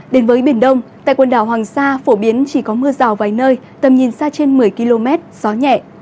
đến với biển đông tại quần đảo hoàng sa phổ biến chỉ có mưa rào vài nơi tầm nhìn xa trên một mươi km gió nhẹ